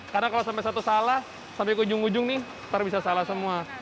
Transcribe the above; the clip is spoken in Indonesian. karena kalau sampai satu salah sampai ke ujung ujung nih nanti bisa salah semua